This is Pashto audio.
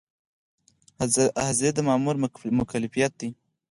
حاضري د مامور مکلفیت دی